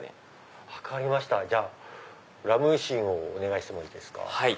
分かりましたじゃあラムシンをお願いしてもいいですか。